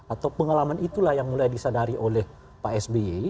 atau pengalaman itulah yang mulai disadari oleh pak sby